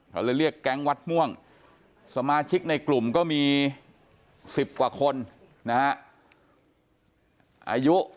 เขาเลยเรียกแก๊งวัดม่วงสมาชิกในกลุ่มก็มี๑๐กว่าคนนะฮะอายุ